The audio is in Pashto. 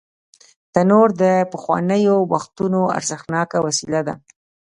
تنور د پخوانیو وختونو ارزښتناکه وسیله ده